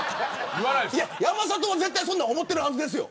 山里は絶対そんなん思ってるはずですよ。